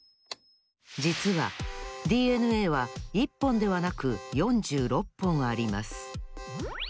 じつはＤＮＡは１ぽんではなく４６ぽんあります